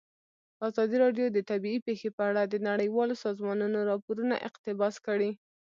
ازادي راډیو د طبیعي پېښې په اړه د نړیوالو سازمانونو راپورونه اقتباس کړي.